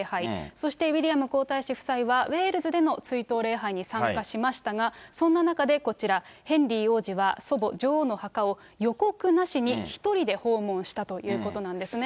そしてウィリアム皇太子夫妻は、ウェールズでの追悼礼拝に参加しましたが、そんな中でこちら、ヘンリー王子は、祖母、女王の墓を、予告なしに１人で訪問したということなんですね。